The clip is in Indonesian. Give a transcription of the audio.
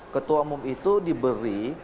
ketua umum itu diberi